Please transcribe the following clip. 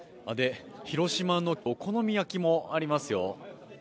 広島のお好み焼きもありますよ。